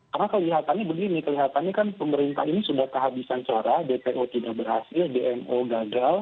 karena kelihatannya begini kelihatannya kan pemerintah ini sudah kehabisan cora dpo tidak berhasil dmo gagal